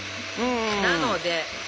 なので。